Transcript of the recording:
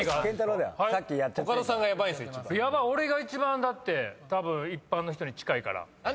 俺が一番だってたぶん一般の人に近いから。